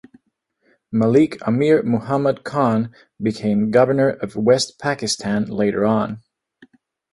Malik Amir Muhammad Khan became governor of West Pakistan later on.